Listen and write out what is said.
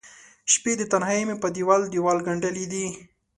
شپې د تنهائې مې په دیوال، دیوال ګنډلې دي